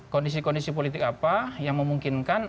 kondisi kondisi politik apa yang memungkinkan